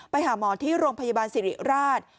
ไปหาหมอที่โรงพยาบาลสิริราช